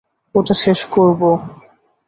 ওটা শেষ করব।